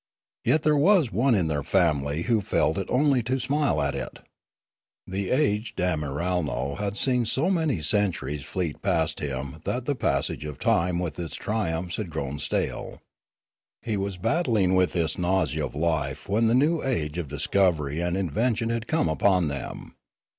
Yet there was one in their family who felt it only to smile at it. The aged Amiralno had seen so many centuries fleet past him that the passage of time with its triumphs had grown stale. He was battling with this nausea of life when the new age of discovery and invention had come upon them.